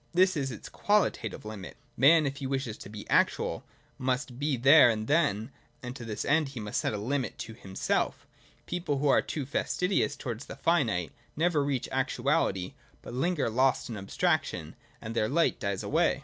This is its qualitative Hmit. — Man, if he wishes to be actual, must be there and then, and to this end he must set a limit to himself People who are too fastidious towards the finite never reach actuality, but linger lost in abstraction, and their light dies away.